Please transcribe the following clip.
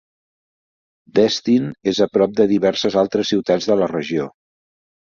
Destin és a prop de diverses altres ciutats de la regió.